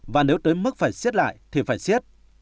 và nếu tới mức phải siết lại thì phải siết